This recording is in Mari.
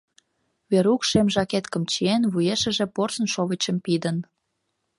Верук шем жакеткым чиен, вуешыже порсын шовычым пидын.